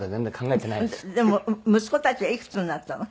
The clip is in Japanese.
でも息子たちはいくつになったの？